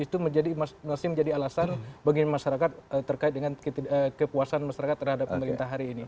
itu masih menjadi alasan bagi masyarakat terkait dengan kepuasan masyarakat terhadap pemerintah hari ini